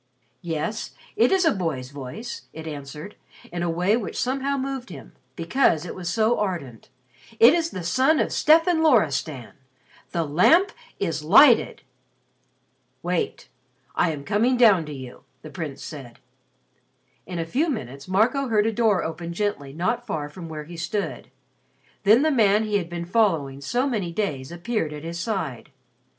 "Yes, it is a boy's voice," it answered, in a way which somehow moved him, because it was so ardent. "It is the son of Stefan Loristan. The Lamp is lighted." [Illustration: "It is the son of Stefan Loristan. The Lamp is lighted!"] "Wait. I am coming down to you," the Prince said. In a few minutes Marco heard a door open gently not far from where he stood. Then the man he had been following so many days appeared at his side.